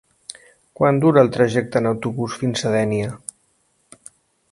Quant dura el trajecte en autobús fins a Dénia?